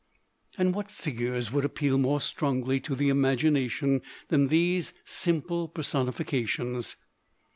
And what figures would appeal more strongly to the imagination than these simple personifications?